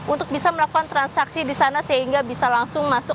untuk bisa melakukan transaksi di sana sehingga bisa langsung masuk